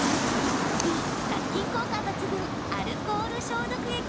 Ｂ・殺菌効果抜群アルコール消毒液？